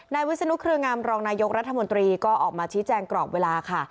วิศนุเครืองามรองนายกรัฐมนตรีก็ออกมาชี้แจงกรอบเวลาค่ะ